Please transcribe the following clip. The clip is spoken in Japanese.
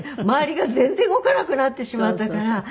周りが全然動かなくなってしまったから。